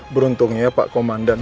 beruntungnya pak komandan